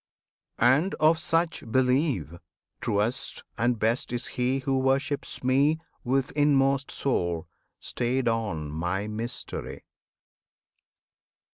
And of such believe, Truest and best is he who worships Me With inmost soul, stayed on My Mystery!